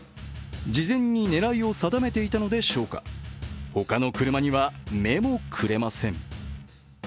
事前に狙いを定めていたのでしょうか、他の車には目もくれません。